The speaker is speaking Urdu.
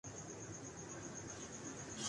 ناموافق ماحول میں بھی موافقت ڈھونڈی جا سکتی ہے۔